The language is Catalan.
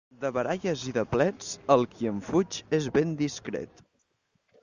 De baralles i de plets, el qui en fuig és ben discret.